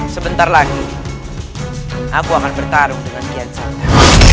sebentar lagi aku akan bertarung dengan kian saya